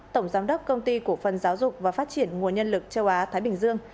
tổng giám đốc công ty cổ phần giáo dục và phát triển nguồn nhân lực châu á thái bình dương